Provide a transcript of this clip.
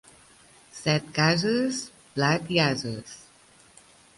Set cases, blat i ases.